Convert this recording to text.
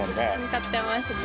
買ってますね。